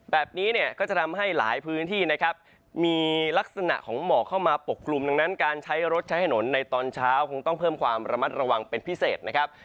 แบบนี้เนี่ยก็จะทำให้หลายพื้นที่นะครับมีลักษณะของหมอกเข้ามาปกกลุ่มดังนั้นการใช้รถใช้ถนนในตอนเช้าคงต้องเพิ่มความระมัดระวังเป็นพิเศษนะครับ